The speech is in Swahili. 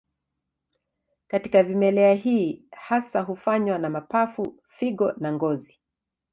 Katika vimelea hii hasa hufanywa na mapafu, figo na ngozi.